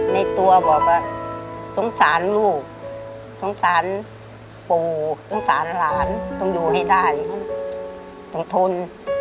ในตัวบอกว่าสงสารลูกสงสารปู่สงสารหลานต้องอยู่ให้ได้ต้องทน